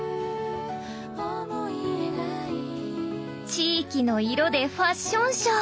地域の色でファッションショー！